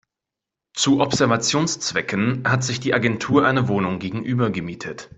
Zu Observationszwecken hat sich die Agentur eine Wohnung gegenüber gemietet.